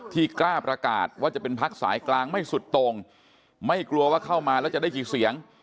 กล้าประกาศว่าจะเป็นพักสายกลางไม่สุดตรงไม่กลัวว่าเข้ามาแล้วจะได้กี่เสียง